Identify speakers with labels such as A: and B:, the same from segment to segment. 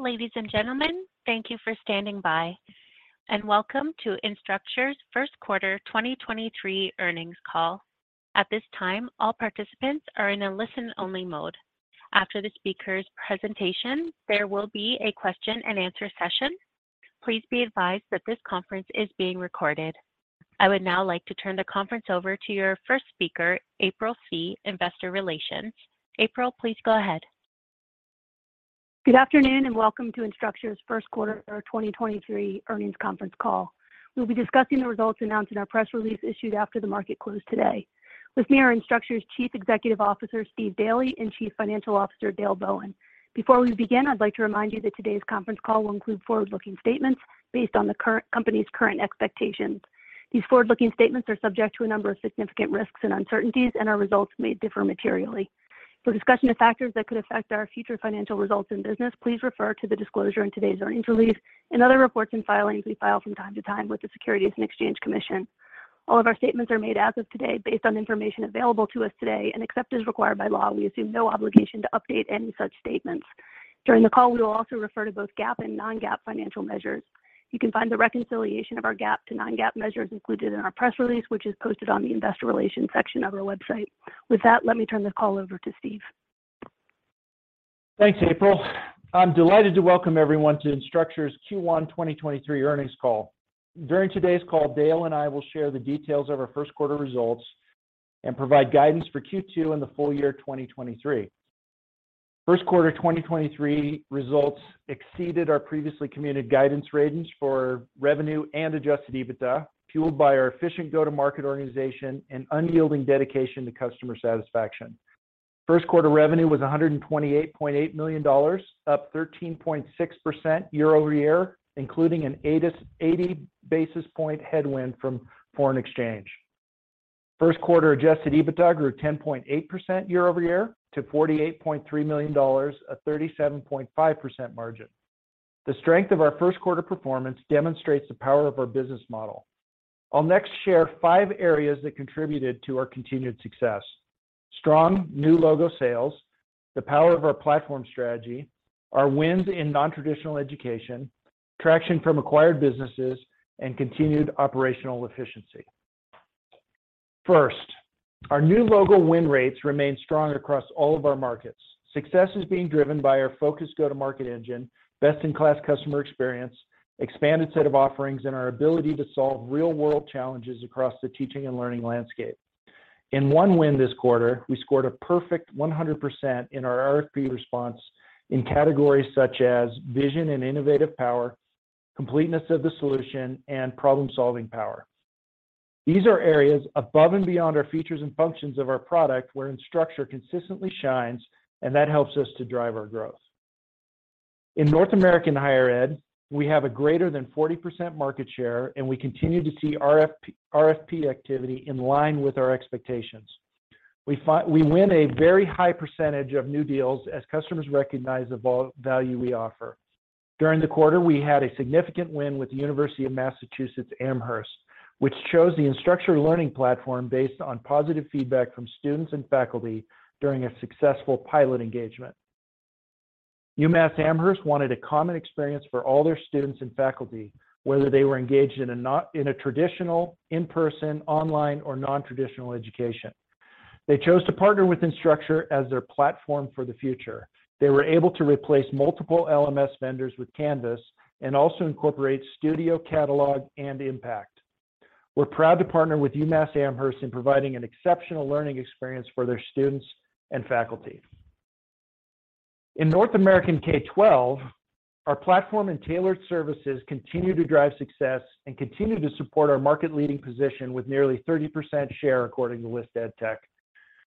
A: Ladies and gentlemen, thank you for standing by and welcome to Instructure's first quarter 2023 earnings call. At this time, all participants are in a listen only mode. After the speaker's presentation, there will be a question and answer session. Please be advised that this conference is being recorded. I would now like to turn the conference over to your first speaker, April Scee., Investor Relations. April, please go ahead.
B: Good afternoon, welcome to Instructure's first quarter 2023 earnings conference call. We'll be discussing the results announced in our press release issued after the market closed today. With me are Instructure's Chief Executive Officer, Steve Daly, and Chief Financial Officer, Dale Bowen. Before we begin, I'd like to remind you that today's conference call will include forward-looking statements based on the company's current expectations. These forward-looking statements are subject to a number of significant risks and uncertainties, and our results may differ materially. For discussion of factors that could affect our future financial results and business, please refer to the disclosure in today's earnings release and other reports and filings we file from time to time with the Securities and Exchange Commission. All of our statements are made as of today based on information available to us today, and except as required by law, we assume no obligation to update any such statements. During the call, we will also refer to both GAAP and non-GAAP financial measures. You can find the reconciliation of our GAAP to non-GAAP measures included in our press release, which is posted on the investor relations section of our website. With that, let me turn the call over to Steve.
C: Thanks, April. I'm delighted to welcome everyone to Instructure's Q1 2023 earnings call. During today's call, Dale and I will share the details of our first quarter results and provide guidance for Q2 and the full year 2023. First quarter 2023 results exceeded our previously communicated guidance ranges for revenue and Adjusted EBITDA, fueled by our efficient go-to-market organization and unyielding dedication to customer satisfaction. First quarter revenue was $128.8 million, up 13.6% year-over-year, including an 80 basis point headwind from foreign exchange. First quarter Adjusted EBITDA grew 10.8% year-over-year to $48.3 million at 37.5% margin. The strength of our first quarter performance demonstrates the power of our business model. I'll next share five areas that contributed to our continued success. Strong new logo sales, the power of our platform strategy, our wins in non-traditional education, traction from acquired businesses, and continued operational efficiency. Our new logo win rates remain strong across all of our markets. Success is being driven by our focused go-to-market engine, best-in-class customer experience, expanded set of offerings, and our ability to solve real-world challenges across the teaching and learning landscape. In one win this quarter, we scored a perfect 100% in our RFP response in categories such as vision and innovative power, completeness of the solution, and problem-solving power. These are areas above and beyond our features and functions of our product where Instructure consistently shines, and that helps us to drive our growth. In North American higher ed, we have a greater than 40% market share, and we continue to see RFP activity in line with our expectations. We win a very high percentage of new deals as customers recognize the value we offer. During the quarter, we had a significant win with the University of Massachusetts Amherst, which chose the Instructure Learning Platform based on positive feedback from students and faculty during a successful pilot engagement. UMass Amherst wanted a common experience for all their students and faculty, whether they were engaged in a traditional, in-person, online or non-traditional education. They chose to partner with Instructure as their platform for the future. They were able to replace multiple LMS vendors with Canvas and also incorporate Studio, Catalog and Impact. We're proud to partner with UMass Amherst in providing an exceptional learning experience for their students and faculty. In North American K-12, our platform and tailored services continue to drive success and continue to support our market-leading position with nearly 30% share according to ListEdTech.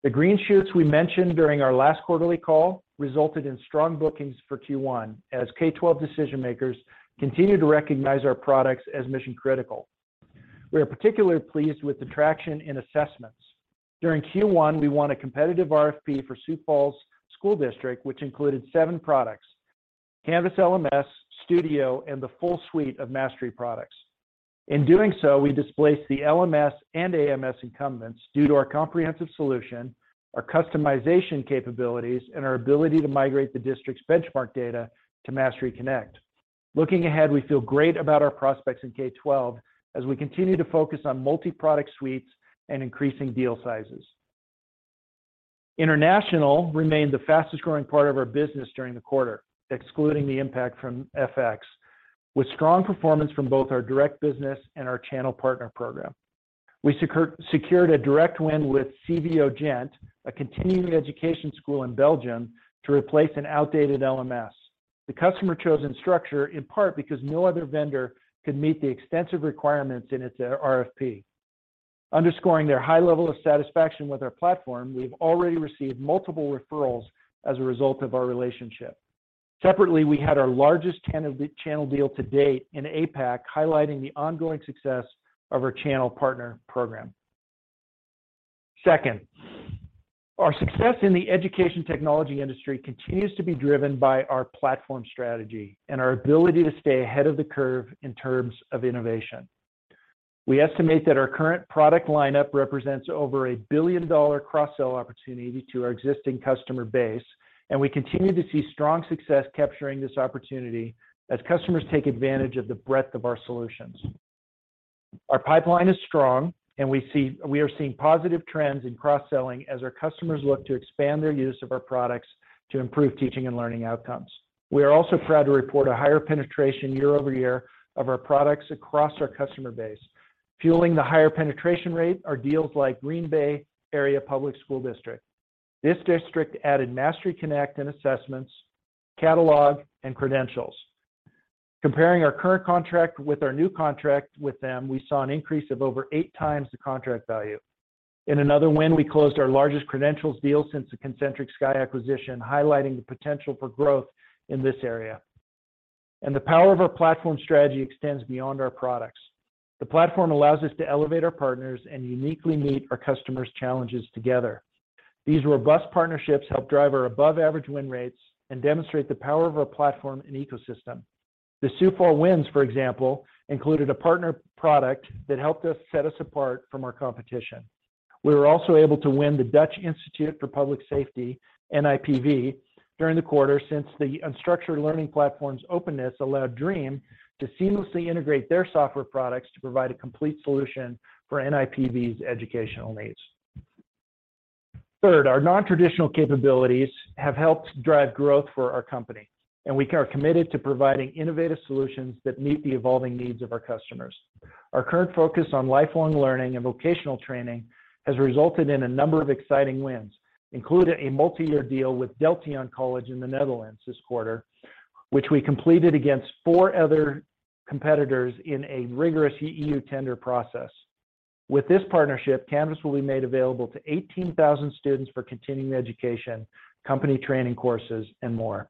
C: The green shoots we mentioned during our last quarterly call resulted in strong bookings for Q1 as K-12 decision-makers continue to recognize our products as mission-critical. We are particularly pleased with the traction in Assessments. During Q1, we won a competitive RFP for Sioux Falls School District, which included seven products: Canvas LMS, Studio, and the full suite of Mastery products. In doing so, we displaced the LMS and AMS incumbents due to our comprehensive solution, our customization capabilities, and our ability to migrate the district's benchmark data to Mastery Connect. Looking ahead, we feel great about our prospects in K-12 as we continue to focus on multi-product suites and increasing deal sizes. International remained the fastest-growing part of our business during the quarter, excluding the impact from FX. With strong performance from both our direct business and our channel partner program. We secured a direct win with CVO Gent, a continuing education school in Belgium, to replace an outdated LMS. The customer chose Instructure in part because no other vendor could meet the extensive requirements in its RFP. Underscoring their high level of satisfaction with our platform, we've already received multiple referrals as a result of our relationship. Separately, we had our largest channel deal to date in APAC, highlighting the ongoing success of our channel partner program. Second, our success in the education technology industry continues to be driven by our platform strategy and our ability to stay ahead of the curve in terms of innovation. We estimate that our current product lineup represents over a billion-dollar cross-sell opportunity to our existing customer base, and we continue to see strong success capturing this opportunity as customers take advantage of the breadth of our solutions. Our pipeline is strong and we are seeing positive trends in cross-selling as our customers look to expand their use of our products to improve teaching and learning outcomes. We are also proud to report a higher penetration year-over-year of our products across our customer base. Fueling the higher penetration rate are deals like Green Bay Area Public School District. This district added Mastery Connect and Assessments, Catalog, and Credentials. Comparing our current contract with our new contract with them, we saw an increase of over 8 times the contract value. In another win, we closed our largest credentials deal since the Concentric Sky acquisition, highlighting the potential for growth in this area. The power of our platform strategy extends beyond our products. The platform allows us to elevate our partners and uniquely meet our customers' challenges together. These robust partnerships help drive our above-average win rates and demonstrate the power of our platform and ecosystem. The Sioux Falls wins, for example, included a partner product that helped us set us apart from our competition. We were also able to win the Netherlands Institute for Public Safety, NIPV, during the quarter since the Instructure Learning Platform's openness allowed Drieam to seamlessly integrate their software products to provide a complete solution for NIPV's educational needs. Third, our non-traditional capabilities have helped drive growth for our company. We are committed to providing innovative solutions that meet the evolving needs of our customers. Our current focus on lifelong learning and vocational training has resulted in a number of exciting wins, including a multi-year deal with Deltion College in the Netherlands this quarter, which we completed against 4 other competitors in a rigorous EU tender process. With this partnership, Canvas will be made available to 18,000 students for continuing education, company training courses, and more.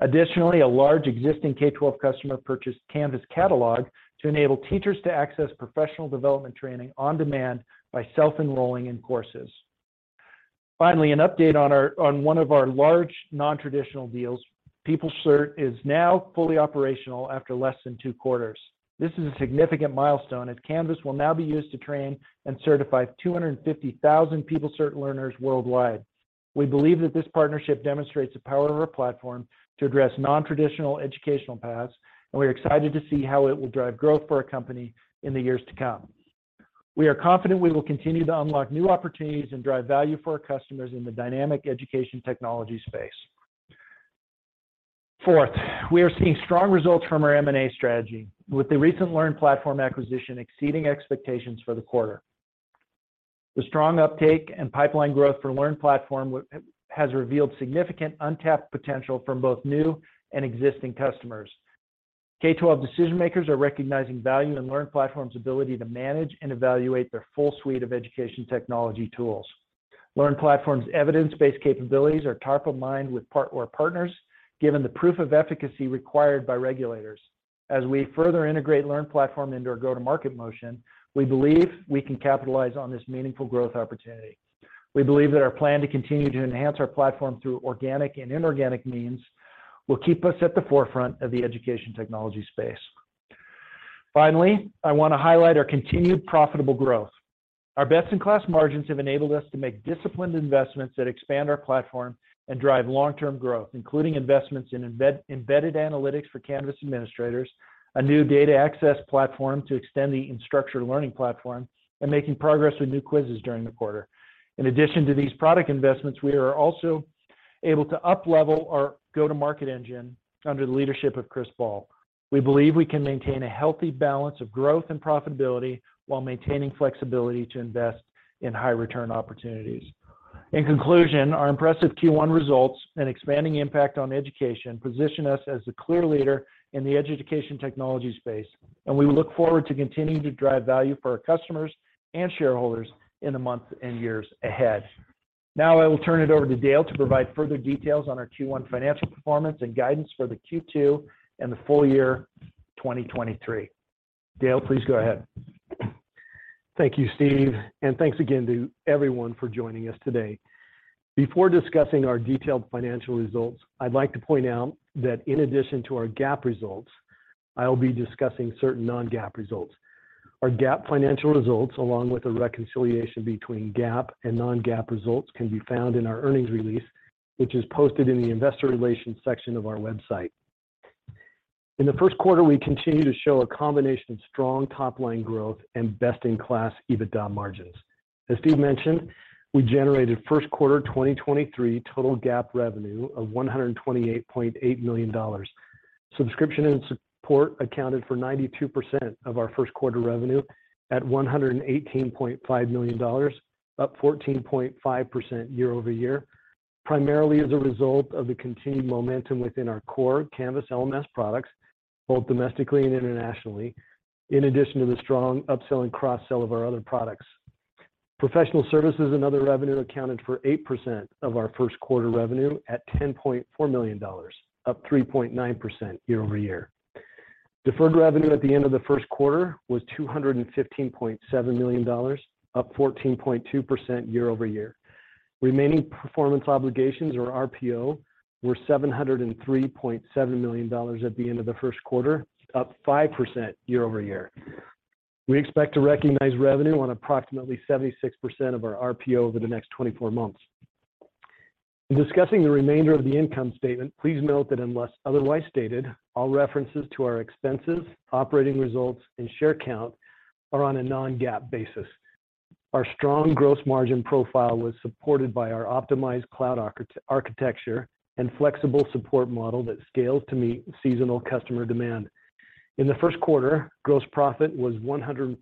C: Additionally, a large existing K-12 customer purchased Canvas Catalog to enable teachers to access professional development training on demand by self-enrolling in courses. Finally, an update on one of our large non-traditional deals. PeopleCert is now fully operational after less than two quarters. This is a significant milestone as Canvas will now be used to train and certify 250,000 PeopleCert learners worldwide. We believe that this partnership demonstrates the power of our platform to address non-traditional educational paths, and we're excited to see how it will drive growth for our company in the years to come. We are confident we will continue to unlock new opportunities and drive value for our customers in the dynamic education technology space. Fourth, we are seeing strong results from our M&A strategy, with the recent LearnPlatform acquisition exceeding expectations for the quarter. The strong uptake and pipeline growth for LearnPlatform has revealed significant untapped potential from both new and existing customers. K-12 decision-makers are recognizing value in LearnPlatform's ability to manage and evaluate their full suite of education technology tools. LearnPlatform's evidence-based capabilities are top of mind with our partners given the proof of efficacy required by regulators. We further integrate LearnPlatform into our go-to-market motion, we believe we can capitalize on this meaningful growth opportunity. We believe that our plan to continue to enhance our platform through organic and inorganic means will keep us at the forefront of the education technology space. I want to highlight our continued profitable growth. Our best-in-class margins have enabled us to make disciplined investments that expand our platform and drive long-term growth, including investments in embedded analytics for Canvas administrators, a new data access platform to extend the Instructure Learning Platform, and making progress with New Quizzes during the quarter. We are also able to uplevel our go-to-market engine under the leadership of Chris Ball. We believe we can maintain a healthy balance of growth and profitability while maintaining flexibility to invest in high return opportunities. In conclusion, our impressive Q1 results and expanding impact on education position us as the clear leader in the education technology space. We look forward to continuing to drive value for our customers and shareholders in the months and years ahead. Now I will turn it over to Dale to provide further details on our Q1 financial performance and guidance for the Q2 and the full year 2023. Dale, please go ahead.
D: Thank you, Steve, thanks again to everyone for joining us today. Before discussing our detailed financial results, I'd like to point out that in addition to our GAAP results, I'll be discussing certain non-GAAP results. Our GAAP financial results, along with a reconciliation between GAAP and non-GAAP results, can be found in our earnings release, which is posted in the investor relations section of our website. In the first quarter, we continue to show a combination of strong top-line growth and best-in-class EBITDA margins. As Steve mentioned, we generated first quarter 2023 total GAAP revenue of $128.8 million. Subscription and support accounted for 92% of our first quarter revenue at $118.5 million, up 14.5% year-over-year, primarily as a result of the continued momentum within our core Canvas LMS products, both domestically and internationally, in addition to the strong upselling cross-sell of our other products. Professional services and other revenue accounted for 8% of our first quarter revenue at $10.4 million, up 3.9% year-over-year. Deferred revenue at the end of the first quarter was $215.7 million, up 14.2% year-over-year. Remaining performance obligations, or RPO, were $703.7 million at the end of the first quarter, up 5% year-over-year. We expect to recognize revenue on approximately 76% of our RPO over the next twenty-four months. In discussing the remainder of the income statement, please note that unless otherwise stated, all references to our expenses, operating results, and share count are on a non-GAAP basis. Our strong gross margin profile was supported by our optimized cloud architecture and flexible support model that scales to meet seasonal customer demand. In the first quarter, gross profit was $100.4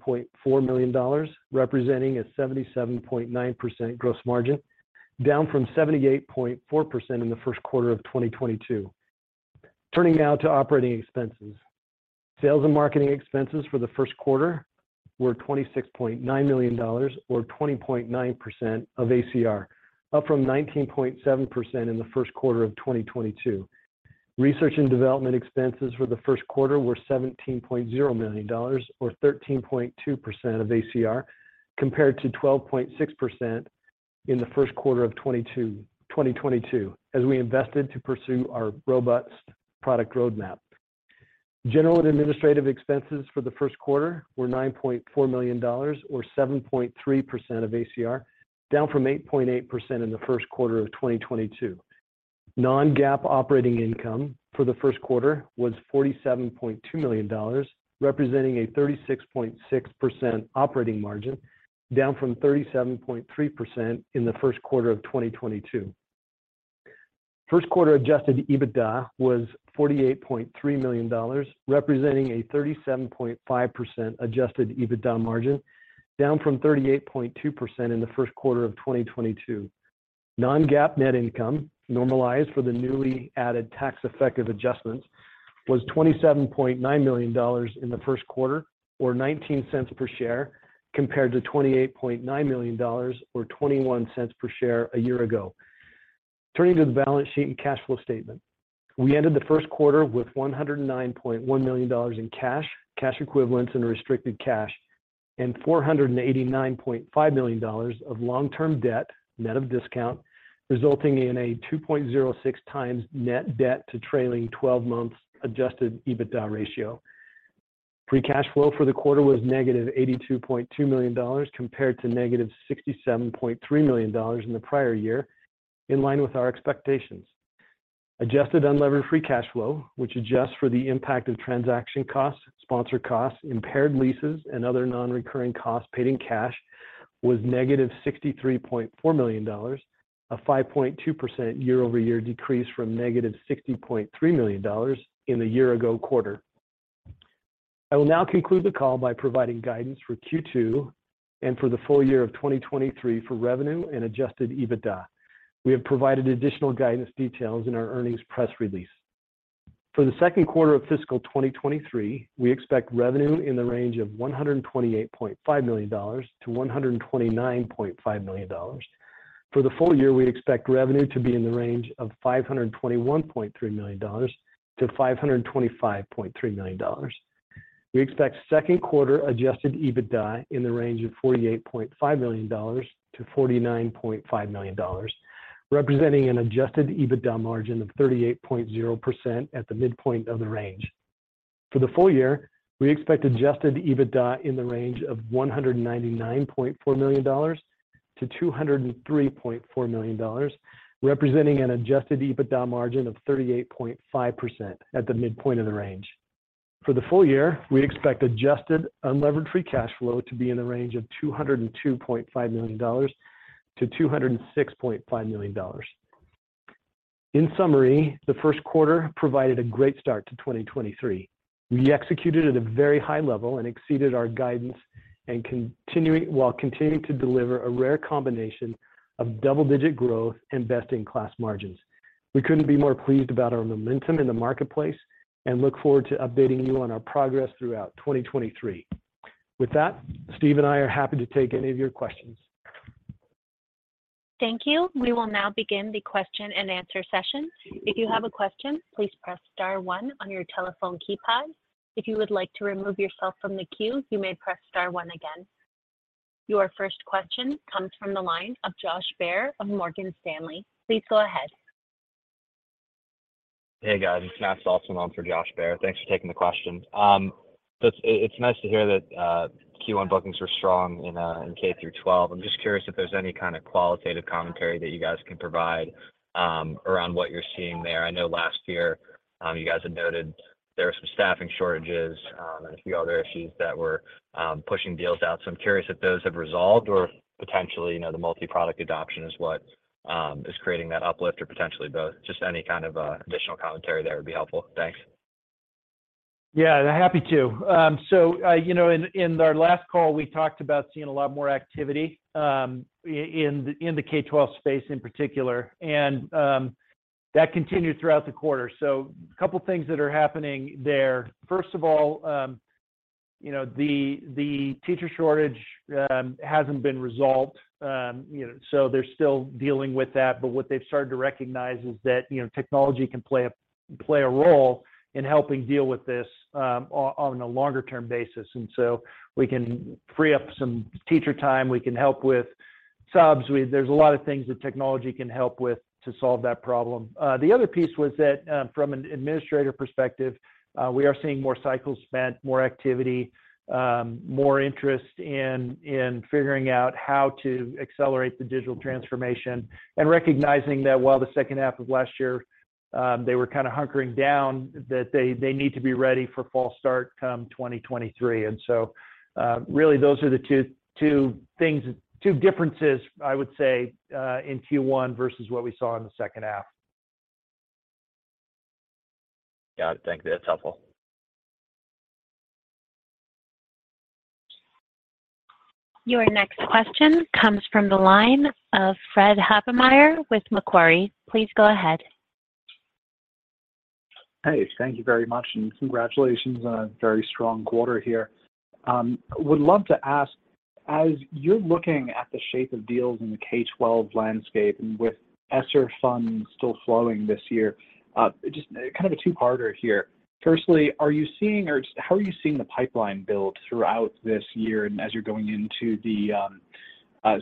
D: million, representing a 77.9% gross margin, down from 78.4% in the first quarter of 2022. Turning now to operating expenses. Sales and marketing expenses for the first quarter were $26.9 million, or 20.9% of ACR, up from 19.7% in the first quarter of 2022. Research and development expenses for the first quarter were $17.0 million or 13.2% of ACR, compared to 12.6% in the first quarter of 2022, as we invested to pursue our robust product roadmap. General and administrative expenses for the first quarter were $9.4 million or 7.3% of ACR, down from 8.8% in the first quarter of 2022. Non-GAAP operating income for the first quarter was $47.2 million, representing a 36.6% operating margin, down from 37.3% in the first quarter of 2022. First quarter adjusted EBITDA was $48.3 million, representing a 37.5% adjusted EBITDA margin, down from 38.2% in the first quarter of 2022. Non-GAAP net income, normalized for the newly added tax effective adjustments, was $27.9 million in the first quarter, or $0.19 per share, compared to $28.9 million, or $0.21 per share a year ago. Turning to the balance sheet and cash flow statement. We ended the first quarter with $109.1 million in cash equivalents, and restricted cash, and $489.5 million of long-term debt, net of discount, resulting in a 2.06x net debt to trailing twelve months Adjusted EBITDA ratio. Free cash flow for the quarter was -$82.2 million compared to -$67.3 million in the prior year, in line with our expectations. Adjusted unlevered free cash flow, which adjusts for the impact of transaction costs, sponsor costs, impaired leases, and other non-recurring costs paid in cash, was negative $63.4 million, a 5.2% year-over-year decrease from negative $60.3 million in the year ago quarter. I will now conclude the call by providing guidance for Q2 and for the full year of 2023 for revenue and Adjusted EBITDA. We have provided additional guidance details in our earnings press release. For the second quarter of fiscal 2023, we expect revenue in the range of $128.5 million-$129.5 million. For the full year, we expect revenue to be in the range of $521.3 million-$525.3 million. We expect second quarter Adjusted EBITDA in the range of $48.5 million-$49.5 million, representing an Adjusted EBITDA margin of 38.0% at the midpoint of the range. For the full year, we expect Adjusted EBITDA in the range of $199.4 million-$203.4 million, representing an Adjusted EBITDA margin of 38.5% at the midpoint of the range. For the full year, we expect Adjusted unlevered free cash flow to be in the range of $202.5 million-$206.5 million. In summary, the first quarter provided a great start to 2023. We executed at a very high level and exceeded our guidance while continuing to deliver a rare combination of double-digit growth and best-in-class margins. We couldn't be more pleased about our momentum in the marketplace and look forward to updating you on our progress throughout 2023. With that, Steve and I are happy to take any of your questions.
A: Thank you. We will now begin the question and answer session. If you have a question, pleasepress star, one on your telephone keypad. If you would like to remove yourself from the queue, you may press star one again. Your first question comes from the line of Josh Baer of Morgan Stanley. Please go ahead.
E: Hey, guys. It's Matt Austin on for Josh Baer. Thanks for taking the questions. It's nice to hear that Q1 bookings were strong in K-12. I'm just curious if there's any kind of qualitative commentary that you guys can provide around what you're seeing there. I know last year, you guys had noted there were some staffing shortages, and a few other issues that were pushing deals out. I'm curious if those have resolved or potentially, the multi-product adoption is what is creating that uplift or potentially both. Just any kind of additional commentary there would be helpful. Thanks.
C: Yeah, happy to. You know, in our last call, we talked about seeing a lot more activity, in the K-12 space in particular, and that continued throughout the quarter. A couple of things that are happening there. First of all, the teacher shortage, hasn't been resolved. You know, they're still dealing with that. What they've started to recognize is that, technology can play a role in helping deal with this, on a longer term basis. We can free up some teacher time, we can help with. Subs, there's a lot of things that technology can help with to solve that problem. The other piece was that, from an administrator perspective, we are seeing more cycles spent, more activity, more interest in figuring out how to accelerate the digital transformation and recognizing that while the second half of last year, they were kinda hunkering down, that they need to be ready for fall start come 2023. Really, those are the two things, two differences I would say, in Q1 versus what we saw in the second half.
E: Yeah, I think that's helpful.
A: Your next question comes from the line of Fred Havemeyer with Macquarie. Please go ahead.
F: Hey, thank you very much. Congratulations on a very strong quarter here. Would love to ask, as you're looking at the shape of deals in the K-12 landscape and with ESSER funds still flowing this year, just kind of a two-parter here. Firstly, are you seeing or how are you seeing the pipeline build throughout this year and as you're going into the,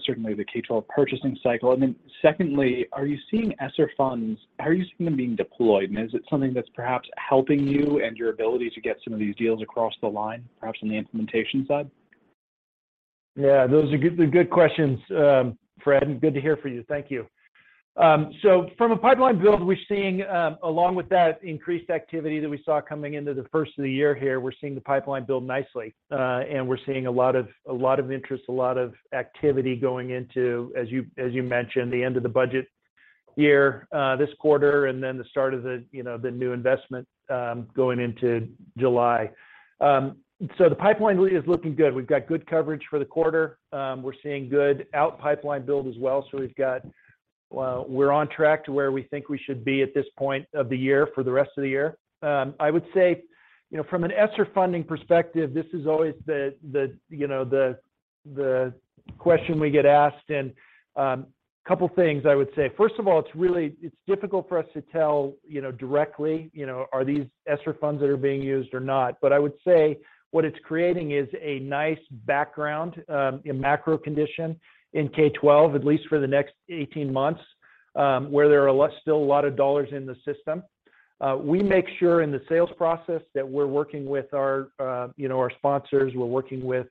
F: certainly the K-12 purchasing cycle? Secondly, are you seeing ESSER funds, how are you seeing them being deployed? Is it something that's perhaps helping you and your ability to get some of these deals across the line, perhaps on the implementation side?
C: Those are good, they're good questions, Fred, and good to hear from you. Thank you. From a pipeline build, we're seeing, along with that increased activity that we saw coming into the first of the year here, we're seeing the pipeline build nicely. We're seeing a lot of, a lot of interest, a lot of activity going into, as you, as you mentioned, the end of the budget year, this quarter, and then the start of the, the new investment, going into July. The pipeline really is looking good. We've got good coverage for the quarter. We're seeing good out pipeline build as well, we're on track to where we think we should be at this point of the year for the rest of the year. I would say, from an ESSER funding perspective, this is always the, the question we get asked, and a couple things I would say. First of all, it's difficult for us to tell, directly,, are these ESSER funds that are being used or not. But I would say what it's creating is a nice background in macro condition in K-12, at least for the next eighteen months, where there are still a lot of dollars in the system. We make sure in the sales process that we're working with our sponsors, we're working with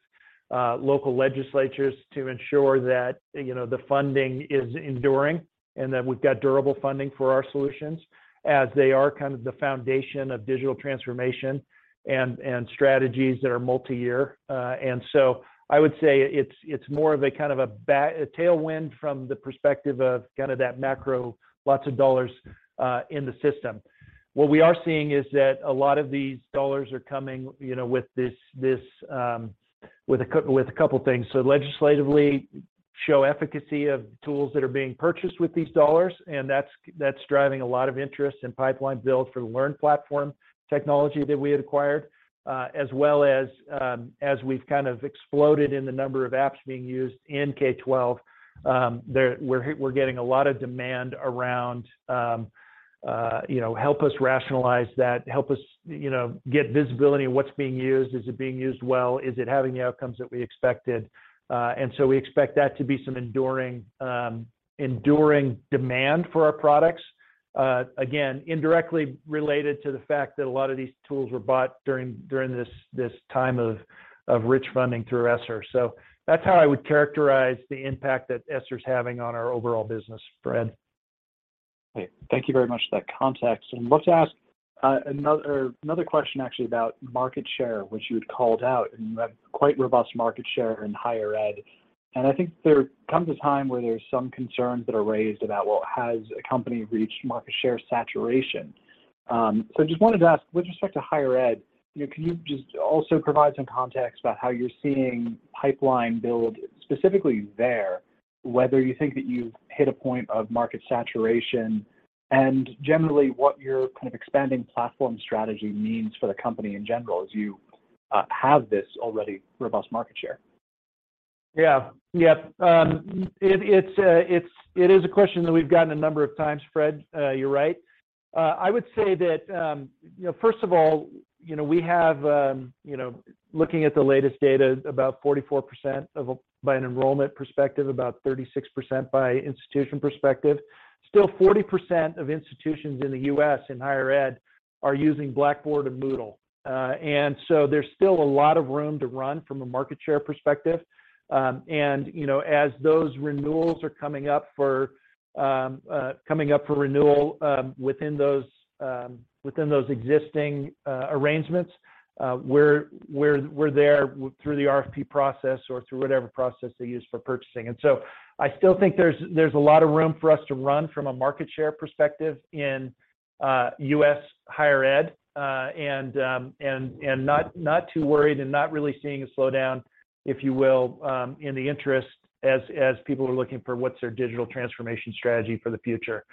C: local legislatures to ensure that, the funding is enduring and that we've got durable funding for our solutions as they are kind of the foundation of digital transformation and strategies that are multiyear. I would say it's more of a kind of a tailwind from the perspective of kind of that macro, lots of dollars in the system. What we are seeing is that a lot of these dollars are coming, with this, with a couple things. Legislatively, show efficacy of tools that are being purchased with these dollars. That's driving a lot of interest and pipeline build for the LearnPlatform technology that we acquired. As well as we've kind of exploded in the number of apps being used in K-12, we're getting a lot of demand around, help us rationalize that, help us, get visibility on what's being used. Is it being used well? Is it having the outcomes that we expected? We expect that to be some enduring demand for our products, again, indirectly related to the fact that a lot of these tools were bought during this time of rich funding through ESSER. That's how I would characterize the impact that ESSER's having on our overall business, Fred.
F: Okay. Thank you very much for that context. Love to ask another question actually about market share, which you had called out, and you have quite robust market share in higher ed. I think there comes a time where there's some concerns that are raised about, well, has a company reached market share saturation? Just wanted to ask, with respect to higher ed, you know, can you just also provide some context about how you're seeing pipeline build specifically there, whether you think that you've hit a point of market saturation, and generally what your kind of expanding platform strategy means for the company in general as you have this already robust market share?
C: Yeah. Yeah. It is a question that we've gotten a number of times, Fred. You're right. I would say that, first of all we have, you know, looking at the latest data, about 44% by an enrollment perspective, about 36% by institution perspective. Still 40% of institutions in the U.S. in higher ed are using Blackboard or Moodle. So there's still a lot of room to run from a market share perspective. You know, as those renewals are coming up for renewal, within those existing arrangements, we're there through the RFP process or through whatever process they use for purchasing. I still think there's a lot of room for us to run from a market share perspective in U.S. higher ed, and not too worried and not really seeing a slowdown, if you will, in the interest as people are looking for what's their digital transformation strategy for the future.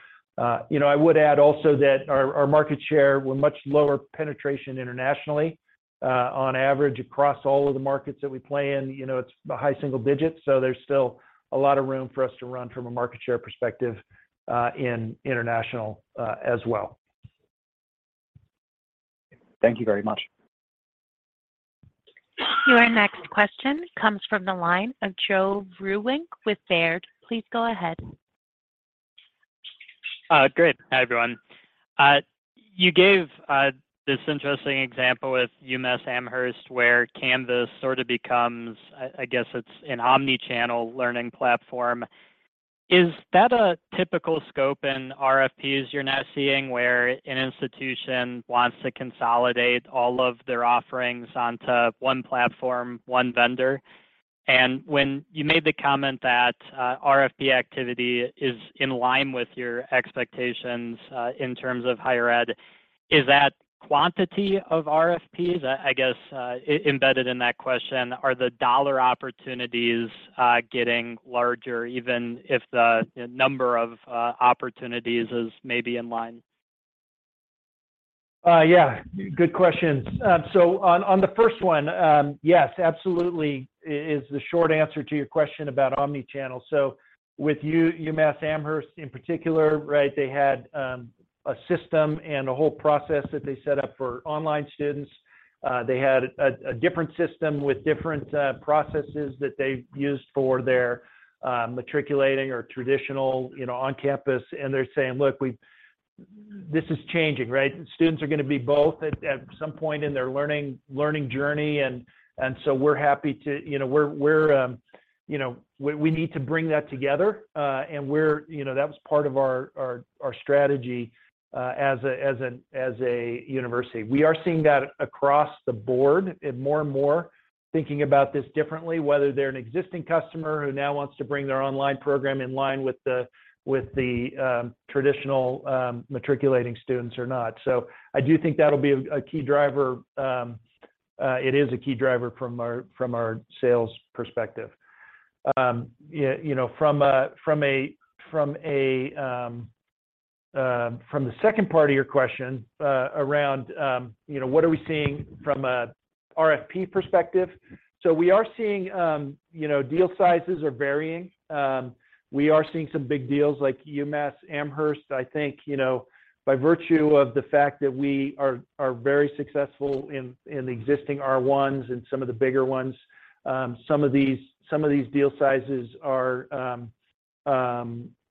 C: You know, I would add also that our market share, we're much lower penetration internationally. On average across all of the markets that we play in, it's the high single digits, so there's still a lot of room for us to run from a market share perspective in international as well. Thank you very much.
A: Your next question comes from the line of Joe Vruwink with Baird. Please go ahead.
G: Great. Hi, everyone. You gave this interesting example with UMass Amherst where Canvas sort of becomes, I guess it's an omni-channel learning platform. Is that a typical scope in RFPs you're now seeing where an institution wants to consolidate all of their offerings onto one platform, one vendor? When you made the comment that RFP activity is in line with your expectations, in terms of higher ed, is that quantity of RFPs? I guess, embedded in that question, are the dollar opportunities getting larger even if the, you know, number of opportunities is maybe in line?
C: Yeah. Good questions. On the first one, yes, absolutely is the short answer to your question about omni-channel. With UMass Amherst in particular, right, they had a system and a whole process that they set up for online students. They had a different system with different processes that they used for their matriculating or traditional, you know, on-campus. They're saying, "Look, This is changing, right? Students are gonna be both at some point in their learning journey, and so we're happy to... You know, we're we need to bring that together, and we're that was part of our strategy, as a university. We are seeing that across the board and more and more thinking about this differently, whether they're an existing customer who now wants to bring their online program in line with the traditional matriculating students or not. I do think that'll be a key driver. It is a key driver from our sales perspective. You know, from a from the second part of your question, around what are we seeing from a RFP perspective. We are seeing, you know, deal sizes are varying. We are seeing some big deals like UMass Amherst. I think, you know, by virtue of the fact that we are very successful in the existing R1s and some of the bigger ones. Some of these deal sizes are,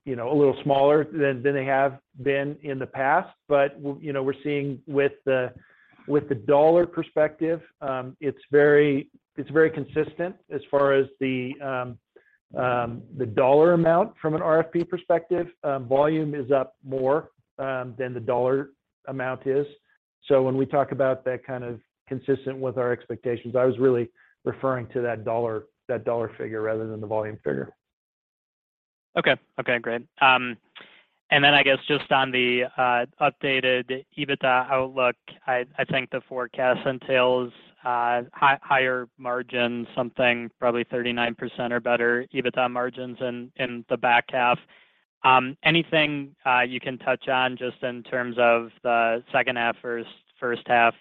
C: a little smaller than they have been in the past. We'll, we're seeing with the dollar perspective, it's very consistent as far as the dollar amount from an RFP perspective. Volume is up more than the dollar amount is. When we talk about that kind of consistent with our expectations, I was really referring to that dollar figure rather than the volume figure.
G: Okay. Okay, great. Then I guess just on the updated EBITDA outlook, I think the forecast entails higher margins, something probably 39% or better EBITDA margins in the back half. Anything you can touch on just in terms of the second half versus first half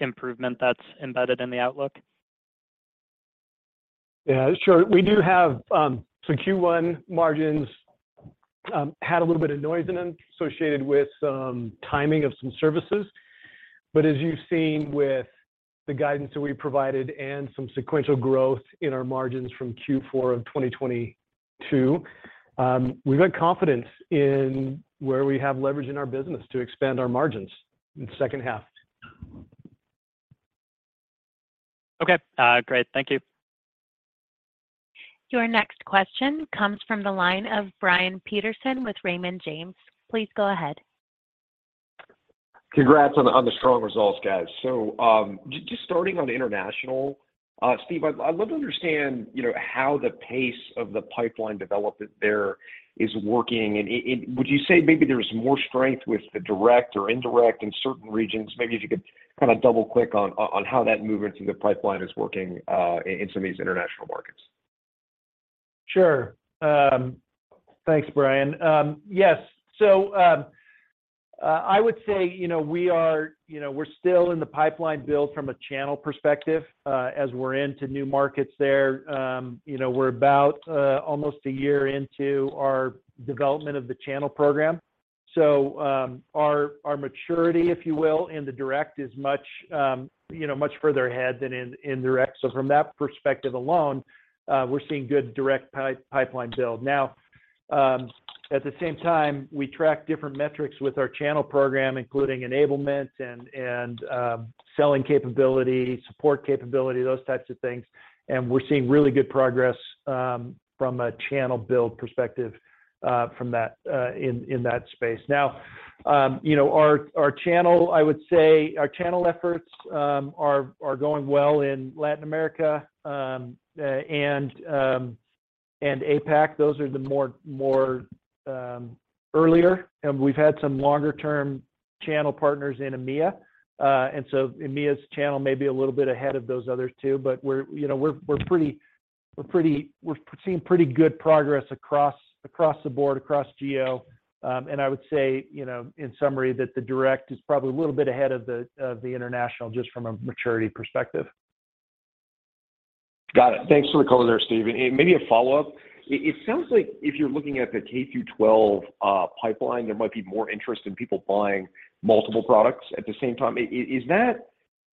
G: improvement that's embedded in the outlook?
C: Yeah, sure. We do have. Q1 margins had a little bit of noise in them associated with some timing of some services. As you've seen with the guidance that we provided and some sequential growth in our margins from Q4 of 2022, we've got confidence in where we have leverage in our business to expand our margins in the second half.
G: Okay. great. Thank you.
A: Your next question comes from the line of Brian Peterson with Raymond James. Please go ahead.
H: Congrats on the strong results, guys. Just starting on international, Steve, I'd love to understand, you know, how the pace of the pipeline development there is working. Would you say maybe there's more strength with the direct or indirect in certain regions? Maybe if you could kinda double-click on how that movement through the pipeline is working in some of these international markets.
C: Sure. Thanks, Brian. Yes. I would say, you know, we're still in the pipeline build from a channel perspective, as we're into new markets there. You know, we're about almost a year into our development of the channel program. Our maturity, if you will, in the direct is much further ahead than in indirect. From that perspective alone, we're seeing good direct pipeline build. Now, at the same time, we track different metrics with our channel program, including enablement and selling capability, support capability, those types of things. We're seeing really good progress from a channel build perspective, from that in that space. Now, you know, our channel, I would say our channel efforts, are going well in Latin America, and APAC. Those are the more, earlier. We've had some longer-term channel partners in EMEA. EMEA's channel may be a little bit ahead of those others too, but we're, you know, we're seeing pretty good progress across the board, across GL. I would say, you know, in summary, that the direct is probably a little bit ahead of the international just from a maturity perspective.
H: Got it. Thanks for the color there, Steve. Maybe a follow-up. It sounds like if you're looking at the K-12 pipeline, there might be more interest in people buying multiple products at the same time. Is that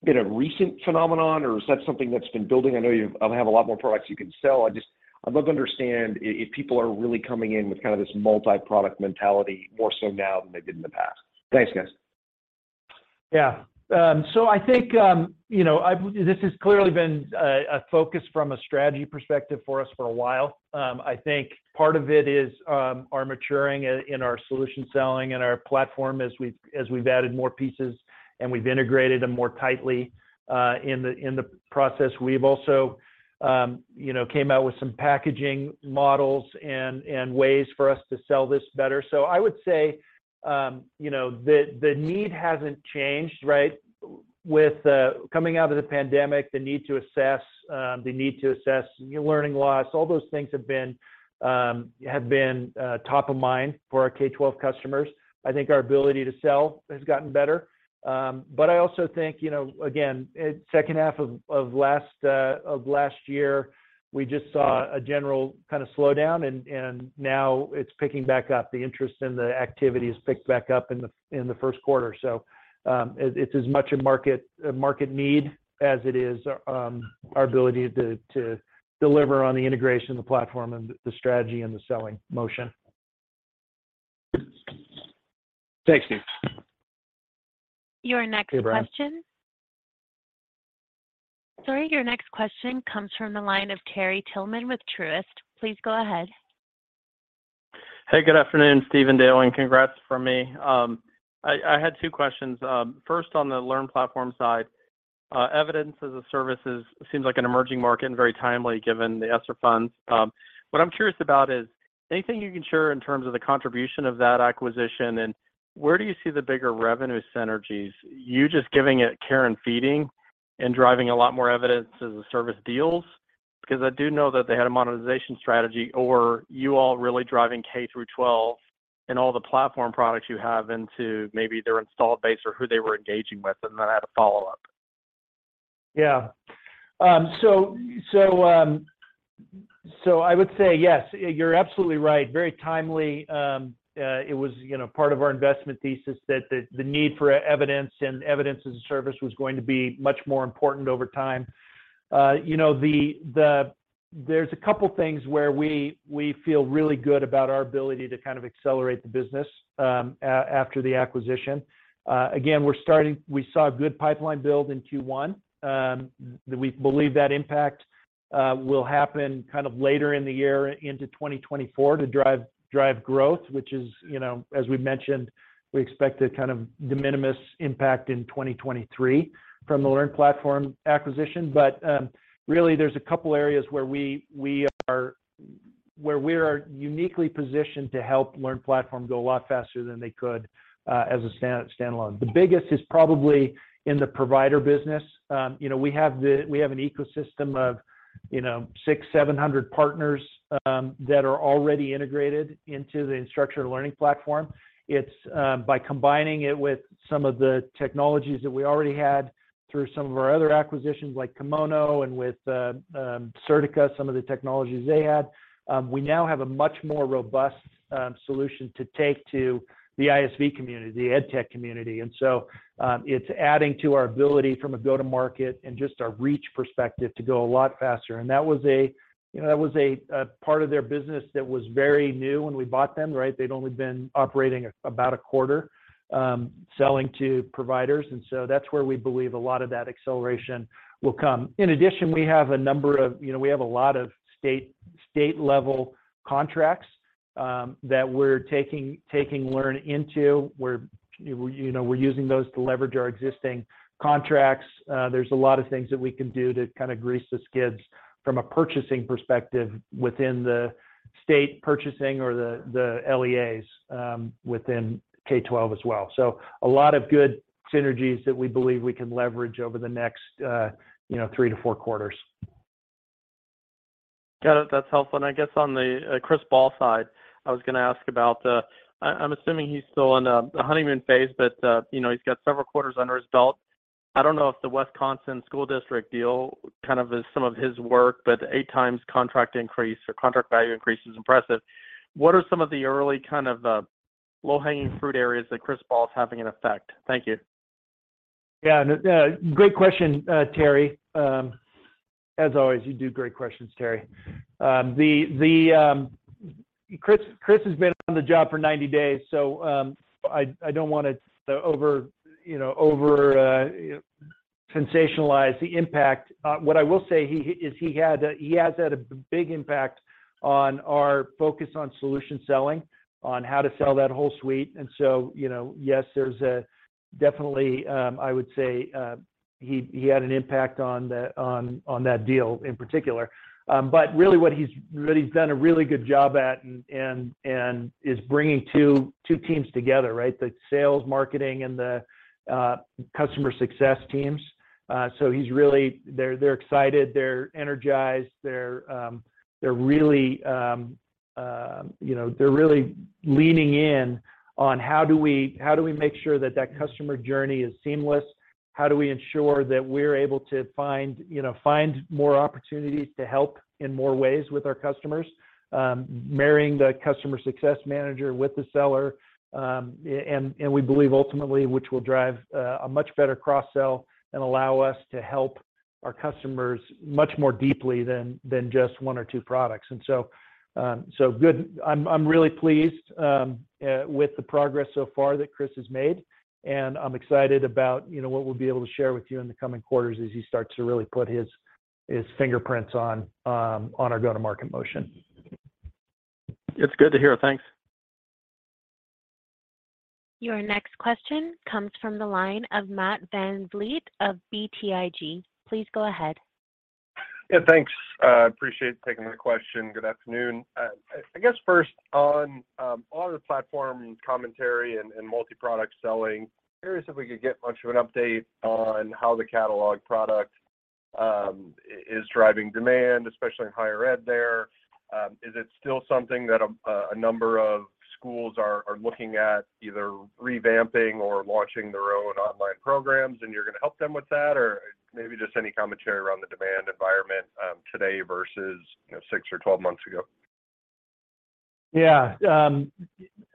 H: been a recent phenomenon, or is that something that's been building? I know you have a lot more products you can sell. I'd love to understand if people are really coming in with kind of this multi-product mentality more so now than they did in the past. Thanks, guys.
C: Yeah. I think, you know, this has clearly been a focus from a strategy perspective for us for a while. I think part of it is our maturing in our solution selling and our platform as we've added more pieces, and we've integrated them more tightly in the process. We've also, you know, came out with some packaging models and ways for us to sell this better. I would say, you know, the need hasn't changed, right? With coming out of the pandemic, the need to assess, the need to assess learning loss, all those things have been top of mind for our K-12 customers. I think our ability to sell has gotten better. I also think, you know, again, second half of last year, we just saw a general kind of slowdown and now it's picking back up. The interest and the activity has picked back up in the first quarter. It's as much a market need as it is our ability to deliver on the integration of the platform and the strategy and the selling motion.
H: Thanks, Steve.
A: Your next question.
C: Thanks, Brian.
A: Sorry. Your next question comes from the line of Terry Tillman with Truist. Please go ahead.
I: Hey, good afternoon, Steve and Dale, congrats from me. I had 2 questions. First, on the LearnPlatform side, Evidence as a Service seems like an emerging market and very timely given the ESSER funds. What I'm curious about is, anything you can share in terms of the contribution of that acquisition, and where do you see the bigger revenue synergies? You just giving it care and feeding and driving a lot more Evidence-as-a-Service deals? 'Cause I do know that they had a monetization strategy. You all really driving K-12 and all the platform products you have into maybe their installed base or who they were engaging with. I had a follow-up.
C: Yeah. I would say yes, you're absolutely right. Very timely. It was, you know, part of our investment thesis that the need for Evidence as a Service was going to be much more important over time. You know, there's a couple things where we feel really good about our ability to kind of accelerate the business after the acquisition. Again, we saw a good pipeline build in Q1 that we believe that Impact will happen kind of later in the year into 2024 to drive growth, which is, as we mentioned, we expect a kind of de minimis impact in 2023 from the LearnPlatform acquisition. Really there's a couple areas where we are uniquely positioned to help LearnPlatform go a lot faster than they could as a standalone. The biggest is probably in the provider business. You know, we have an ecosystem of, you know, 600, 700 partners that are already integrated into the Instructure Learning Platform. It's by combining it with some of the technologies that we already had through some of our other acquisitions like Kimono and with Certica, some of the technologies they had, we now have a much more robust solution to take to the ISV community, the edtech community. It's adding to our ability from a go-to-market and just our reach perspective to go a lot faster. That was a, you know, that was a part of their business that was very new when we bought them, right? They'd only been operating about a quarter, selling to providers. That's where we believe a lot of that acceleration will come. In addition, we have a number of, you know, we have a lot of state-level contracts, that we're taking Learn into. We're, you know, we're using those to leverage our existing contracts. There's a lot of things that we can do to kind of grease the skids from a purchasing perspective within the state purchasing or the LEAs, within K-12 as well. A lot of good synergies that we believe we can leverage over the next, you know, three-four quarters.
I: Got it. That's helpful. I guess on the Chris Ball side, I was gonna ask about, I'm assuming he's still in the honeymoon phase, but he's got several quarters under his belt. I don't know if the Wisconsin School District deal kind of is some of his work, but 8 times contract increase or contract value increase is impressive. What are some of the early kind of, low-hanging fruit areas that Chris Ball is having an effect? Thank you.
C: Yeah. No, great question, Terry. As always, you do great questions, Terry. The Chris has been on the job for 90 days, so, I don't wanna sort of over, you know, over sensationalize the impact. What I will say is he has had a big impact on our focus on solution selling, on how to sell that whole suite. You know, yes, there's a definitely, I would say, he had an impact on that deal in particular. Really what he's, what he's done a really good job at and is bringing two teams together, right? The sales, marketing, and the customer success teams. They're excited, they're energized, they're really, you know, they're really leaning in on how do we, how do we make sure that that customer journey is seamless? How do we ensure that we're able to find more opportunities to help in more ways with our customers? Marrying the customer success manager with the seller, and we believe ultimately, which will drive a much better cross-sell and allow us to help our customers much more deeply than just one or two products. So good. I'm really pleased with the progress so far that Chris has made, and I'm excited about, you know, what we'll be able to share with you in the coming quarters as he starts to really put his fingerprints on our go-to-market motion.
I: It's good to hear. Thanks.
A: Your next question comes from the line of Matt VanVliet of BTIG. Please go ahead.
J: Yeah, thanks. Appreciate you taking my question. Good afternoon. I guess first on the platform commentary and multi-product selling, curious if we could get much of an update on how the catalog product is driving demand, especially in higher ed there? Is it still something that a number of schools are looking at either revamping or launching their own online programs, and you're gonna help them with that? Maybe just any commentary around the demand environment, today versus, you know, six or twelve months ago?
C: Yeah.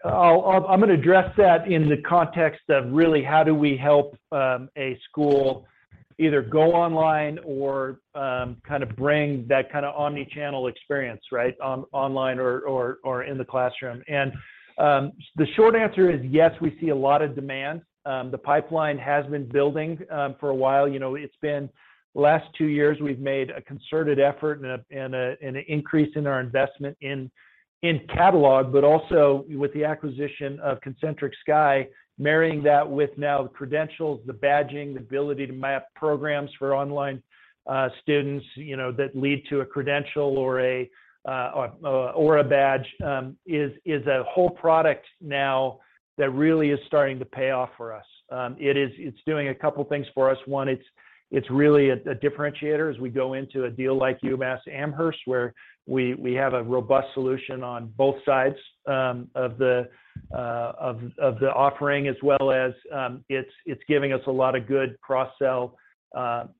C: I'm gonna address that in the context of really how do we help a school either go online or kind of bring that kind of omni-channel experience, right, online or in the classroom. The short answer is yes, we see a lot of demand. The pipeline has been building for a while. You know, last two years, we've made a concerted effort and a increase in our investment in catalog, but also with the acquisition of Concentric Sky, marrying that with now the credentials, the badging, the ability to map programs for online students, you know, that lead to a credential or a badge, is a whole product now that really is starting to pay off for us. It's doing a couple things for us. One, it's really a differentiator as we go into a deal like UMass Amherst, where we have a robust solution on both sides of the offering, as well as, it's giving us a lot of good cross-sell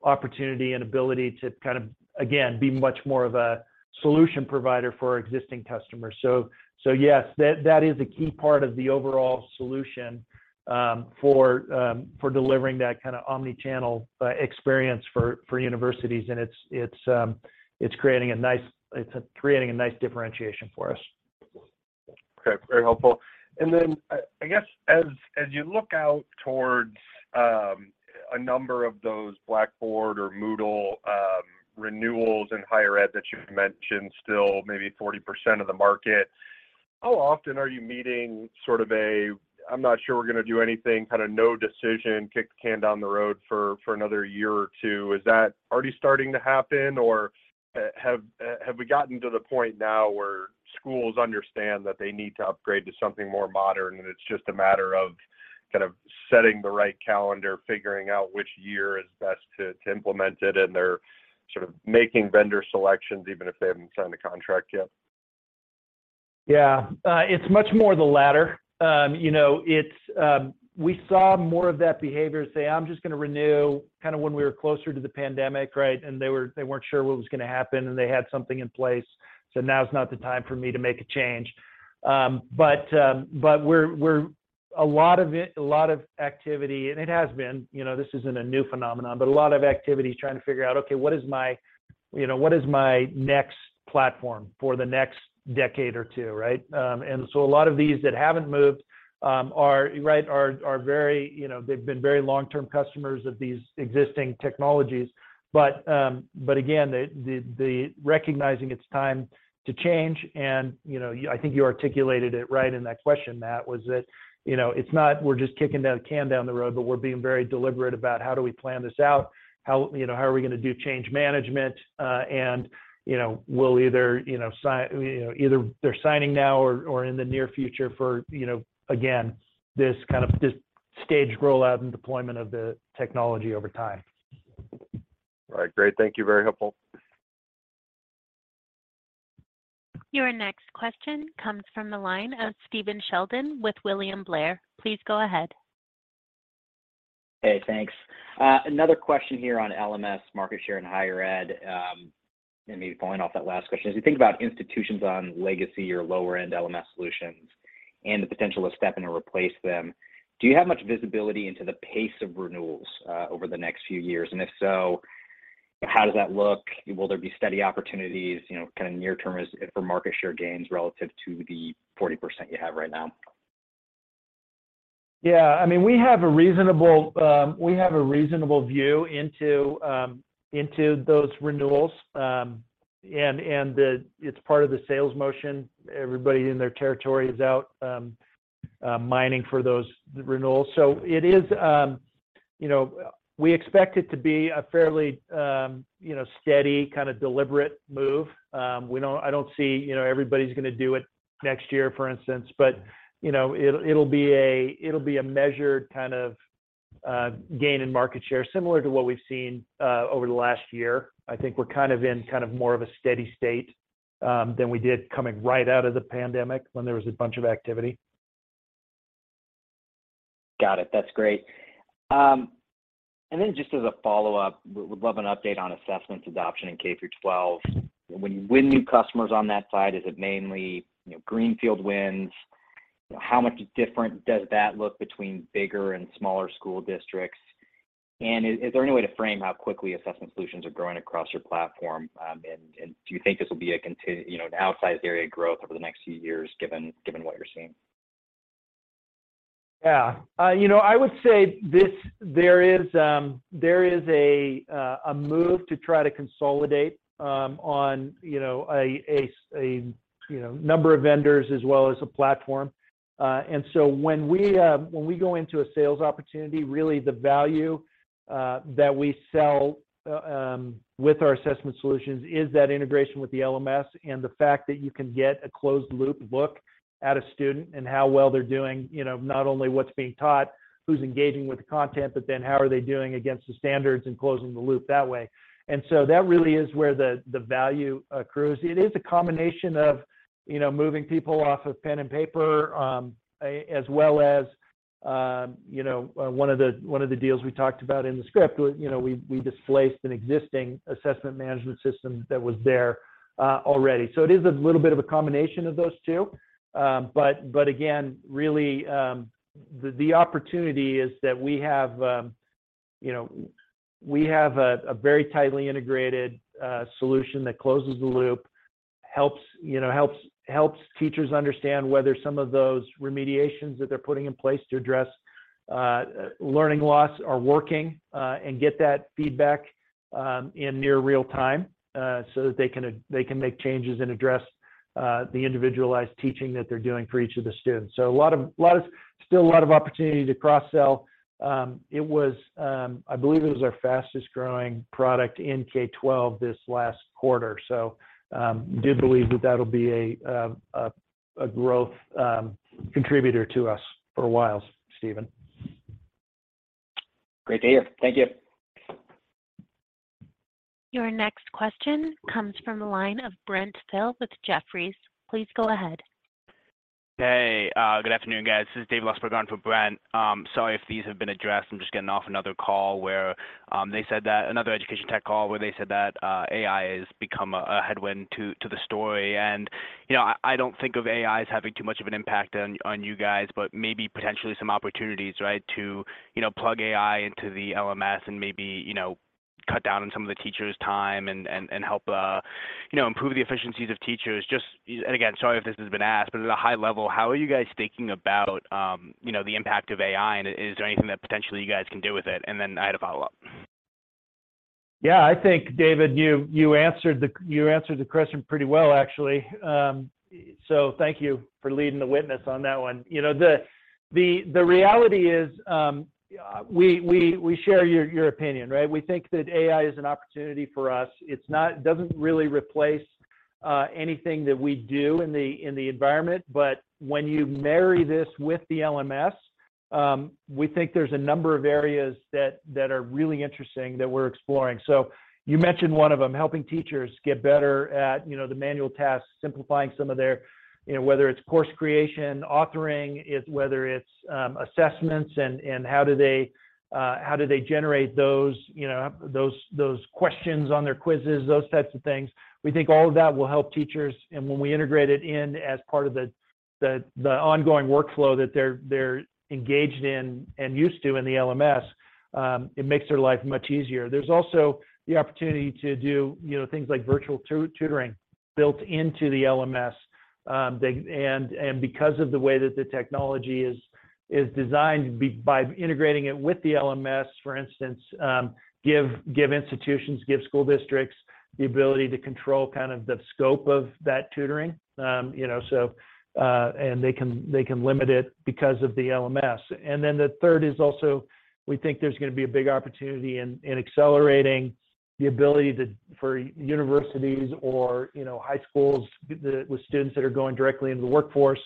C: opportunity and ability to kind of, again, be much more of a solution provider for our existing customers. Yes, that is a key part of the overall solution for delivering that kind of omni-channel experience for universities, and it's creating a nice differentiation for us.
J: Okay. Very helpful. I guess as you look out towards a number of those Blackboard or Moodle renewals in higher ed that you've mentioned, still maybe 40% of the market, how often are you meeting sort of a, "I'm not sure we're gonna do anything," kind of no decision, kick the can down the road for another year or two? Is that already starting to happen, or have we gotten to the point now where schools understand that they need to upgrade to something more modern, and it's just a matter of kind of setting the right calendar, figuring out which year is best to implement it, and they're sort of making vendor selections even if they haven't signed a contract yet?
C: Yeah. It's much more the latter. You know, it's. We saw more of that behavior, say, "I'm just gonna renew," kind of when we were closer to the pandemic, right? They weren't sure what was gonna happen, and they had something in place, so now's not the time for me to make a change. But we're, a lot of it, a lot of activity, and it has been, you know, this isn't a new phenomenon, but a lot of activity is trying to figure out, "Okay, what is my, you know, what is my next platform for the next decade or two," right? So a lot of these that haven't moved, are, right, are very they've been very long-term customers of these existing technologies. Again, the recognizing it's time to change and, you know, I think you articulated it right in that question, Matt, was that, you know, it's not we're just kicking the can down the road, but we're being very deliberate about how do we plan this out? How, you know, how are we gonna do change management? You know, we'll either sign, either they're signing now or in the near future for, again, this kind of this staged rollout and deployment of the technology over time.
J: All right. Great. Thank you. Very helpful.
A: Your next question comes from the line of Stephen Sheldon with William Blair. Please go ahead.
K: Hey, thanks. Another question here on LMS market share in higher ed, and maybe pulling off that last question. As you think about institutions on legacy or lower-end LMS solutions and the potential of stepping to replace them, do you have much visibility into the pace of renewals over the next few years? If so, how does that look? Will there be steady opportunities, you know, kind of near term for market share gains relative to the 40% you have right now?
C: Yeah. I mean, we have a reasonable, we have a reasonable view into those renewals. It's part of the sales motion. Everybody in their territory is out mining for those renewals. It is, you know, we expect it to be a fairly, you know, steady, kinda deliberate move. I don't see, you know, everybody's gonna do it next year, for instance. You know, it'll be a measured kind of gain in market share, similar to what we've seen over the last year. I think we're kind of in kind of more of a steady state than we did coming right out of the pandemic when there was a bunch of activity.
K: Got it. That's great. Just as a follow-up, would love an update on Assessments adoption in K-12. When you win new customers on that side, is it mainly, you know, greenfield wins? How much different does that look between bigger and smaller school districts? Is there any way to frame how quickly assessment solutions are growing across your platform? Do you think this will be a contin- you know, an outsized area of growth over the next few years, given what you're seeing?
C: Yeah. You know, I would say this, there is, there is a move to try to consolidate, on, you know, a number of vendors as well as a platform. When we, when we go into a sales opportunity, really the value that we sell with our assessment solutions is that integration with the LMS and the fact that you can get a closed loop look at a student and how well they're doing, you know, not only what's being taught, who's engaging with the content, but then how are they doing against the standards and closing the loop that way. That really is where the value accrues. It is a combination of, you know, moving people off of pen and paper, as well as, one of the deals we talked about in the script. You know, we displaced an existing assessment management system that was there already. It is a little bit of a combination of those two. But again, really, the opportunity is that we have, you know, we have a very tightly integrated solution that closes the loop, helps, you know, helps teachers understand whether some of those remediations that they're putting in place to address learning loss are working, and get that feedback in near real time, so that they can make changes and address the individualized teaching that they're doing for each of the students. Still a lot of opportunity to cross-sell. It was, I believe it was our fastest-growing product in K-12 this last quarter. Do believe that that'll be a growth contributor to us for a while, Stephen.
K: Great to hear. Thank you.
A: Your next question comes from the line of Brent Thill with Jefferies. Please go ahead.
L: Hey, good afternoon, guys. This is David Lustberg on for Brent. Sorry if these have been addressed. I'm just getting off another call where they said that another education tech call where they said that AI has become a headwind to the story. You know, I don't think of AI as having too much of an impact on you guys, but maybe potentially some opportunities, right? To, you know, plug AI into the LMS and maybe cut down on some of the teachers' time and help, you know, improve the efficiencies of teachers. Again, sorry if this has been asked, at a high level, how are you guys thinking about, the impact of AI, and is there anything that potentially you guys can do with it? I had a follow-up.
C: Yeah. I think, David, you answered the question pretty well, actually. Thank you for leading the witness on that one. You know, the reality is, we share your opinion, right? We think that AI is an opportunity for us. It doesn't really replace anything that we do in the environment. When you marry this with the LMS, we think there's a number of areas that are really interesting that we're exploring. You mentioned one of them, helping teachers get better at, you know, the manual tasks, simplifying some of their, you know, whether it's course creation, authoring, whether it's Assessments and how do they generate those, you know, those questions on their quizzes, those types of things. We think all of that will help teachers. When we integrate it in as part of the ongoing workflow that they're engaged in and used to in the LMS, it makes their life much easier. There's also the opportunity to do, you know, things like virtual tutoring built into the LMS. Because of the way that the technology is designed by integrating it with the LMS, for instance, give institutions, give school districts the ability to control kind of the scope of that tutoring. You know, so, they can limit it because of the LMS. The third is also, we think there's going to be a big opportunity in accelerating the ability to for universities or, you know, high schools with students that are going directly into the workforce,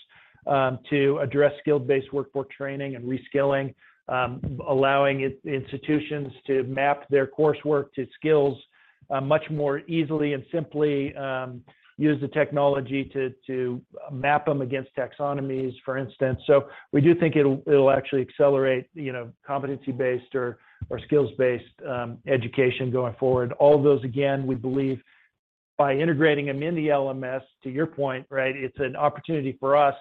C: to address skill-based workforce training and reskilling, allowing institutions to map their coursework to skills, much more easily and simply, use the technology to map them against taxonomies, for instance. We do think it'll actually accelerate, you know, competency-based or skills-based, education going forward. All of those, again, we believe by integrating them in the LMS, to your point, right? It's an opportunity for us,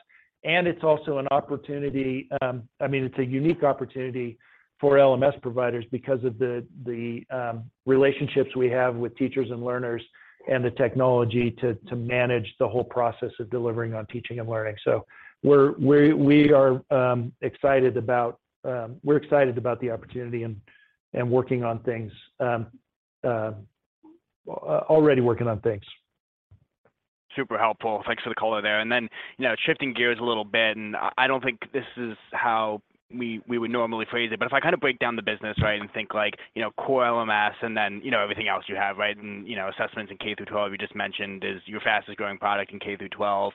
C: and it's also an opportunity, I mean, it's a unique opportunity for LMS providers because of the relationships we have with teachers and learners and the technology to manage the whole process of delivering on teaching and learning. We are excited about the opportunity and already working on things.
L: Super helpful. Thanks for the color there. You know, shifting gears a little bit, and I don't think this is how we would normally phrase it. If I kind of break down the business, right? Think like, you know, core LMS and then, everything else you have, right? You know, Assessments in K-12 you just mentioned is your fastest-growing product in K-12.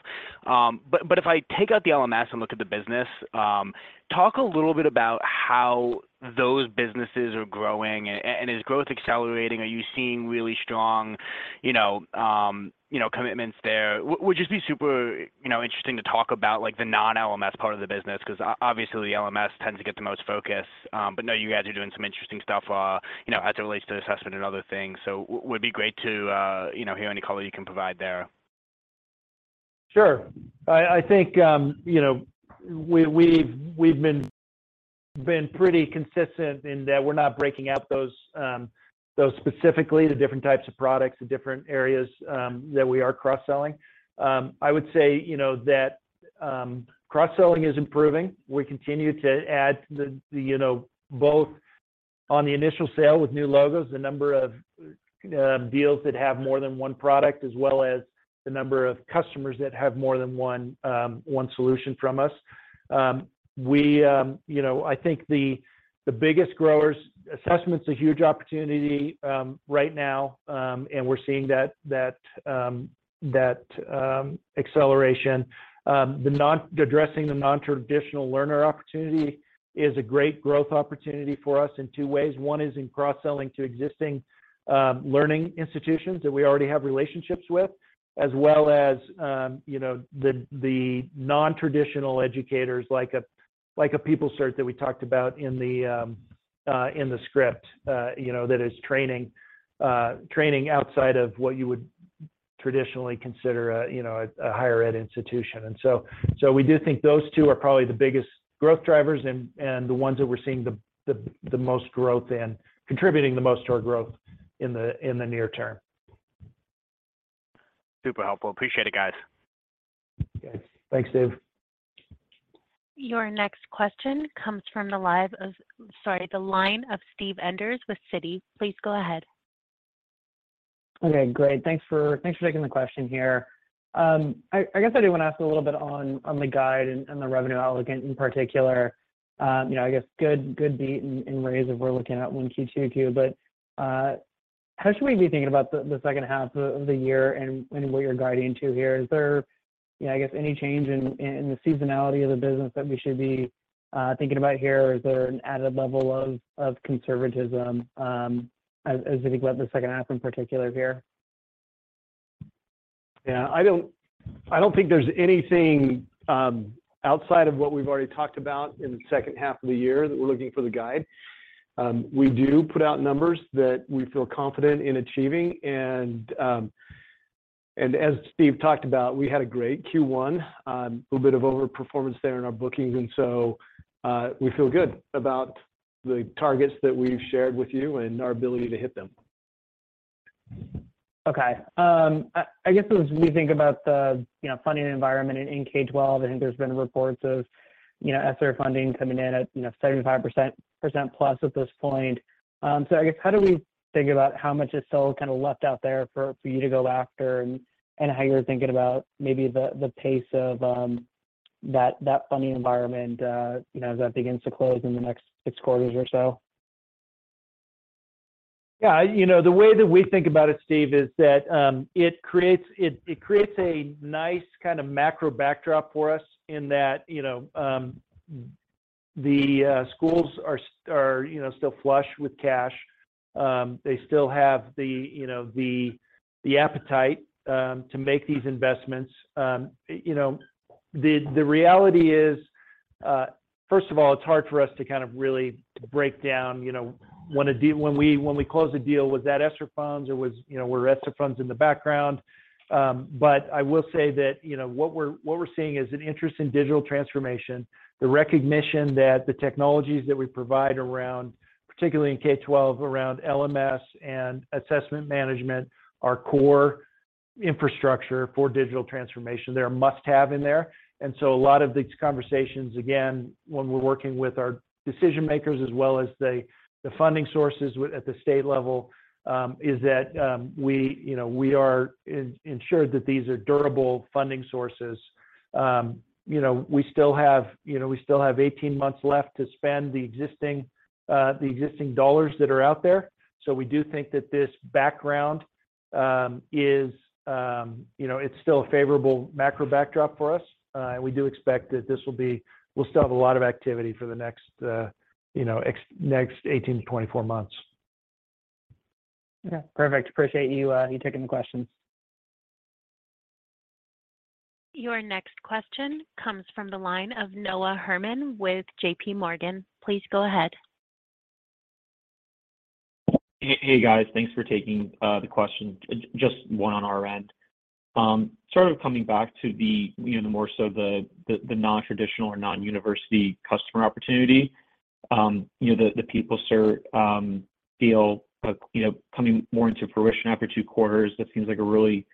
L: If I take out the LMS and look at the business, talk a little bit about how those businesses are growing. Is growth accelerating? Are you seeing really strong, commitments there? Would just be super, you know, interesting to talk about, like, the non-LMS part of the business 'cause obviously, the LMS tends to get the most focus. know you guys are doing some interesting stuff, you know, as it relates to assessment and other things. would be great to, you know, hear any color you can provide there.
C: Sure. I think, you know, we've been pretty consistent in that we're not breaking out those specifically, the different types of products, the different areas, that we are cross-selling. I would say, you know, that cross-selling is improving. We continue to add the, you know, both on the initial sale with new logos, the number of deals that have more than one product, as well as the number of customers that have more than one solution from us. We, you know, I think the biggest growers Assessments a huge opportunity right now. We're seeing that acceleration. Addressing the non-traditional learner opportunity is a great growth opportunity for us in two ways. One is in cross-selling to existing learning institutions that we already have relationships with, as well as, you know, the non-traditional educators, like a PeopleCert that we talked about in the script, you know, that is training outside of what you would traditionally consider a, you know, a higher ed institution. We do think those two are probably the biggest growth drivers and the ones that we're seeing the most growth in, contributing the most to our growth in the near term.
L: Super helpful. Appreciate it, guys.
C: Okay.
L: Thanks, Steve.
A: Your next question comes from the line of Steve Enders with Citi. Please go ahead.
M: Okay, great. Thanks for taking the question here. I guess I do want to ask a little bit on the guide and the revenue outlook in particular. you know, I guess good beat in ways if we're looking at 1Q -2Q. How should we be thinking about the second half of the year and what you're guiding to here? Is there, you know, I guess, any change in the seasonality of the business that we should be thinking about here, or is there an added level of conservatism, as I think about the second half in particular here?
C: Yeah, I don't think there's anything outside of what we've already talked about in the second half of the year that we're looking for the guide. We do put out numbers that we feel confident in achieving. As Steve talked about, we had a great Q1, a little bit of overperformance there in our bookings. We feel good about the targets that we've shared with you and our ability to hit them.
M: Okay. I guess as we think about the, you know, funding environment in K-12, I think there's been reports of, you know, ESSER funding coming in at, you know, 75% plus at this point. I guess how do we think about how much is still kinda left out there for you to go after and how you're thinking about maybe the pace of that funding environment, you know, as that begins to close in the next 6 quarters or so?
C: Yeah. You know, the way that we think about it, Steve, is that, it creates a nice kind of macro backdrop for us in that, you know, the schools are, you know, still flush with cash. They still have the, you know, the appetite to make these investments. You know, the reality is, first of all, it's hard for us to kind of really break down, you know, when we close a deal, was that ESSER funds or were, you know, ESSER funds in the background? I will say that, you know, what we're seeing is an interest in digital transformation. The recognition that the technologies that we provide around, particularly in K-12, around LMS and assessment management are core infrastructure for digital transformation. They're a must-have in there. A lot of these conversations, again, when we're working with our decision makers as well as the funding sources at the state level, is that, you know, we are ensured that these are durable funding sources. You know, we still have eighteen months left to spend the existing dollars that are out there. We do think that this background is, you know, it's still a favorable macro backdrop for us. We do expect that we'll still have a lot of activity for the next, you know, next eighteen to twenty four months.
M: Okay. Perfect. Appreciate you taking the question.
A: Your next question comes from the line of Noah Herman with JPMorgan. Please go ahead.
N: Hey, guys. Thanks for taking the question. Just one on our end. Sort of coming back to the, you know, more so the non-traditional or non-university customer opportunity, you know, the PeopleCert deal, you know, coming more into fruition after two quarters, that seems like a really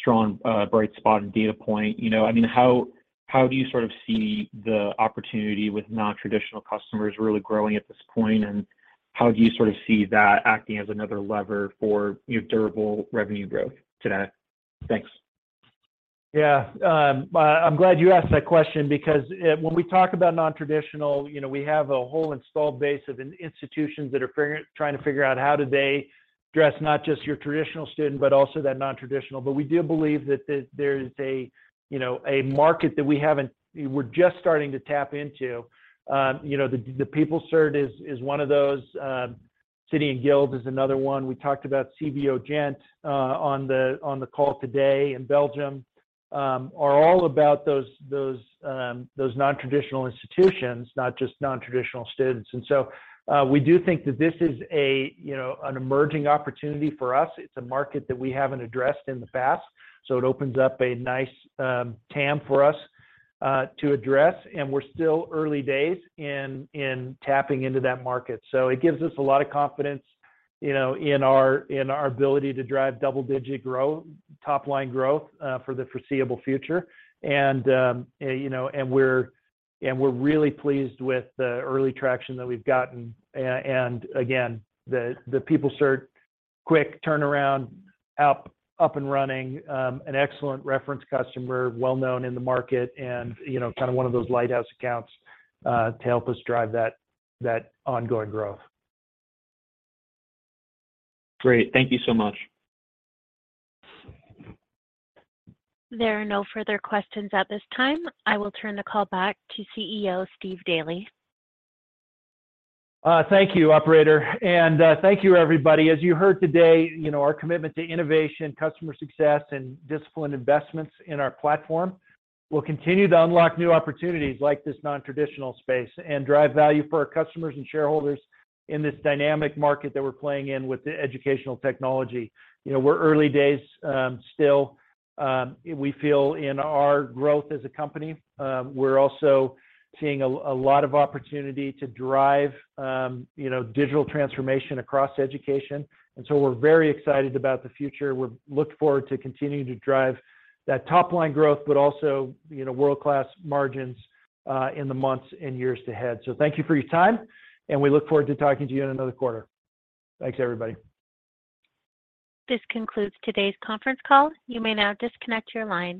N: strong bright spot and data point. You know, I mean, How do you sort of see the opportunity with non-traditional customers really growing at this point, and how do you sort of see that acting as another lever for, you know, durable revenue growth today? Thanks.
C: Yeah. I'm glad you asked that question because when we talk about non-traditional, you know, we have a whole installed base of institutions that are trying to figure out how do they address not just your traditional student, but also that non-traditional. We do believe that there's a, you know, a market that we're just starting to tap into. You know, the PeopleCert is one of those, City & Guilds is another one. We talked about CVO Gent on the call today in Belgium, are all about those non-traditional institutions, not just non-traditional students. We do think that this is a, you know, an emerging opportunity for us. It's a market that we haven't addressed in the past, it opens up a nice TAM for us to address, and we're still early days in tapping into that market. It gives us a lot of confidence, you know, in our ability to drive double-digit top-line growth for the foreseeable future. You know, and we're really pleased with the early traction that we've gotten. Again, the PeopleCert quick turnaround, up and running, an excellent reference customer, well-known in the market and, you know, kind of one of those lighthouse accounts to help us drive that ongoing growth.
N: Great. Thank you so much.
A: There are no further questions at this time. I will turn the call back to CEO, Steve Daly.
C: Thank you, operator, thank you, everybody. As you heard today, you know, our commitment to innovation, customer success, and disciplined investments in our platform will continue to unlock new opportunities like this non-traditional space and drive value for our customers and shareholders in this dynamic market that we're playing in with the educational technology. You know, we're early days still. We feel in our growth as a company, we're also seeing a lot of opportunity to drive, you know, digital transformation across education. We're very excited about the future. We look forward to continuing to drive that top-line growth, but also, you know, world-class margins in the months and years ahead. Thank you for your time, and we look forward to talking to you in another quarter. Thanks, everybody.
A: This concludes today's conference call. You may now disconnect your line.